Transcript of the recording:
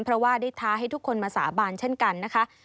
เพราะว่าได้ท้าให้ทุกคนมาสาบานเช่นกันนะคะ